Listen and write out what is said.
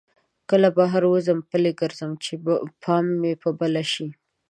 کله بهر وځم پلی ګرځم چې پام مې په بله شي.